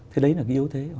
thế đấy là cái yếu thế